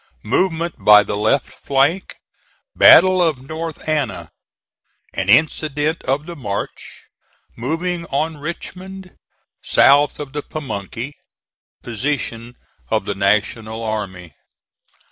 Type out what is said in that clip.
MOVEMENT BY THE LEFT FLANK BATTLE OF NORTH ANNA AN INCIDENT OF THE MARCH MOVING ON RICHMOND SOUTH OF THE PAMUNKEY POSITION OF THE NATIONAL ARMY.